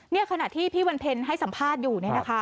ขณะที่พี่วันเพ็ญให้สัมภาษณ์อยู่เนี่ยนะคะ